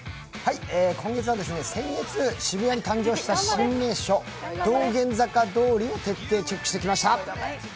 今月は先日渋谷に誕生した新名所、道玄坂通を徹底チェックしてきました。